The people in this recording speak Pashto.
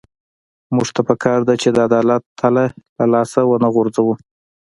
موږ ته پکار ده چې د عدالت تله له لاسه ونه غورځوو.